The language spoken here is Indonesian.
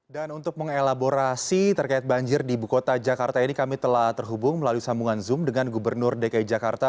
dan untuk mengelaborasi terkait banjir di buku kota jakarta ini kami telah terhubung melalui sambungan zoom dengan gubernur dki jakarta